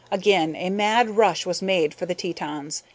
Again a mad rush was made for the Tetons.